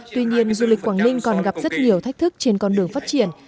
tuy nhiên du lịch quảng ninh còn gặp rất nhiều thách thức trên con đường phát triển